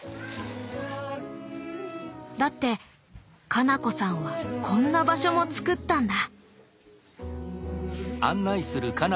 だって花菜子さんはこんな場所も作ったんだ。